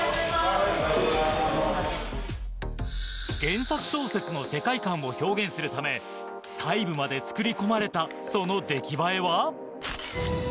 ・原作小説の世界観を表現するため細部まで作り込まれたその出来栄えは？